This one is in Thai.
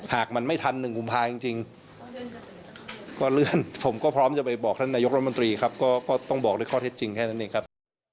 หากมันไม่ทัน๑กุมภาจริงก็เลื่อนผมก็พร้อมจะไปบอกท่านนายกรัฐมนตรีครับก็ต้องบอกด้วยข้อเท็จจริงแค่นั้นเองครับ